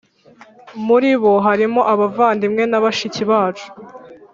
Muri bo harimo abavandimwe na bashiki bacu.